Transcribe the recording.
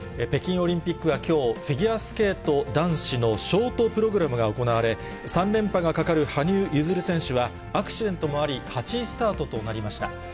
北京オリンピックはきょう、フィギュアスケート男子のショートプログラムが行われ、３連覇がかかる羽生結弦選手はアクシデントもあり、８位スタートとなりました。